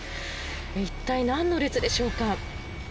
一体、なんの列でしょうか。